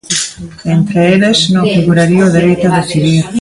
Entre eles, non figuraría o dereito a decidir.